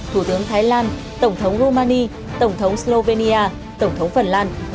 thủ tướng thái lan tổng thống romani tổng thống slovenia tổng thống phần lan